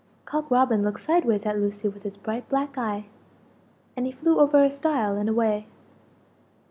Cock Robin looked sideways at Lucie with his bright black eye, and he flew over a stile and away.